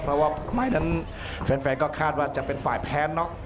เพราะว่าไม่นั้นแฟนก็คาดว่าจะเป็นฝ่ายแพ้น็อก